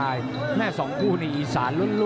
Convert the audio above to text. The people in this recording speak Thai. กระหน่าที่น้ำเงินก็มีเสียเอ็นจากอุบลนะครับ